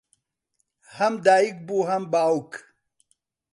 ھەم دایک بوو ھەم باوک